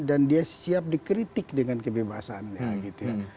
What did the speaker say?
dan dia siap dikritik dengan kebebasannya